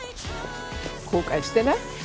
後悔してない？